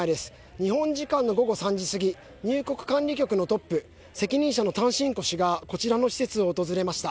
日本時間の午後３時すぎ入国管理局のトップ＝責任者のタンシンコ氏がこちらの施設を訪れました。